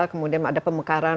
kemudian ada pemekaran